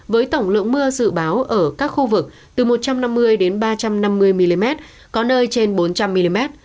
với tổng lượng mưa dự báo ở các khu vực từ một trăm năm mươi đến ba trăm năm mươi mm có nơi trên bốn trăm linh mm